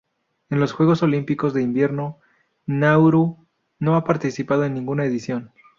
En los Juegos Olímpicos de Invierno Nauru no ha participado en ninguna edición.